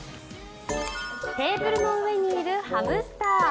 テーブルの上にいるハムスター。